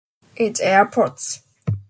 It's airports.